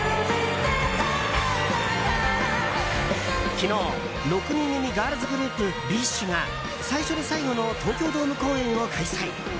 昨日、６人組ガールズグループＢｉＳＨが最初で最後の東京ドーム公演を開催。